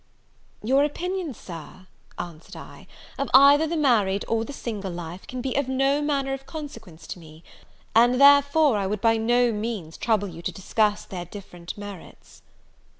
"Your opinion, Sir," answered I, "of either the married or the single life, can be of no manner of consequence to me; and therefore I would by no means trouble you to discuss their different merits."